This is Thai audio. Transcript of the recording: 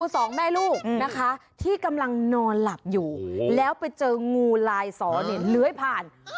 สองแม่ลูกนะคะที่กำลังนอนหลับอยู่แล้วไปเจองูลายสอเนี่ยเลื้อยผ่าน